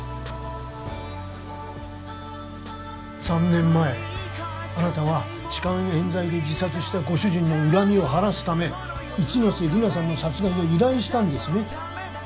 ３年前あなたは痴漢えん罪で自殺したご主人の恨みを晴らすため一ノ瀬利奈さんの殺害を依頼したんですね？